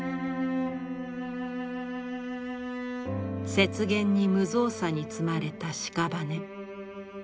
雪原に無造作に積まれたしかばね。